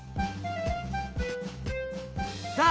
さあ